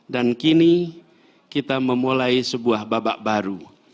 dan kini kita memulai sebuah babak baru